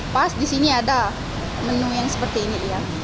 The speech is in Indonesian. pas disini ada menu yang seperti ini ya